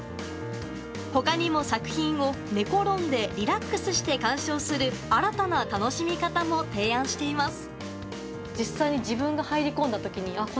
他にも作品を寝転んでリラックスして鑑賞する新たな楽しみ方も提案しています。